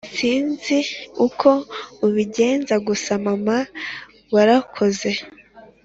Sinzi uko ubigenza gusa mana warakoze